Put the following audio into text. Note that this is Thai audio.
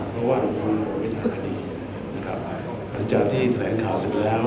เพราะว่าผมคงไม่มีความดีนะครับจากที่แถลงข่าวเสร็จแล้ว